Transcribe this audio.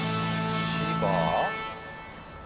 千葉？